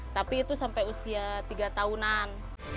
tapi itu sampai usia tiga tahunan